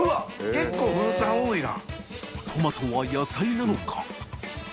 結構フルーツ派多いな。